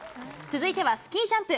続いては、スキージャンプ。